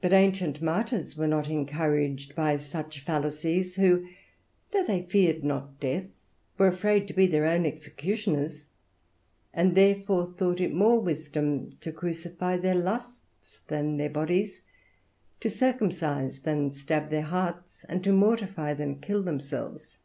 But the ancient martyrs were not encouraged by such fallacies, who, though they feared not death, were afraid to be their own executioners; and therefore thought it more wisdom to crucify their lusts than their bodies, to circumcise than stab their hearts, and to mortify than kill themselves.